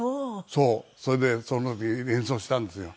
そうそれでその時演奏したんですよ。